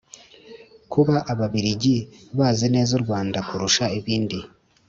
kuba ababiligi bazi neza u rwanda kurusha ibindi